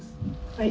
はい。